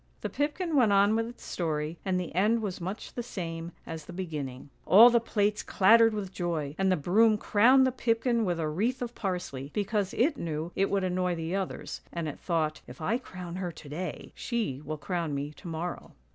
" The pipkin went on with its story, and the end was much the same as the beginning. " All the plates clattered with joy, and the broom crowned the pipkin with a wreath of parsley, because it knew it would annoy the others; and it thought, ' If I crown her to day, she will crown me to morrow.'